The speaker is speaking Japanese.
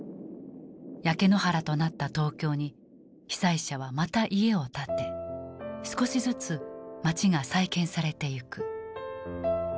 焼け野原となった東京に被災者はまた家を建て少しずつ街が再建されていく。